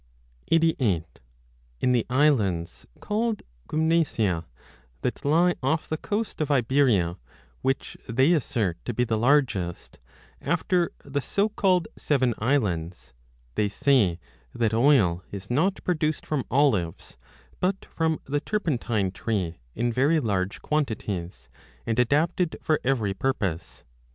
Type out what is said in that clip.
3 o In the islands called Gymnesiae, 3 that lie off the coast 88 of Iberia, which they assert to be the largest, after the so called seven 4 islands, they say that oil is not produced from olives, but from the turpentine tree in very large quantities, and adapted for every purpose.